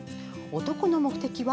男の目的は？